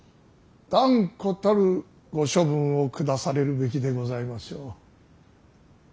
断固たるご処分を下されるべきでございましょう。